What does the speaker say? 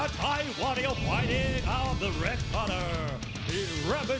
ทำงานสนับสนุน๑๐นาที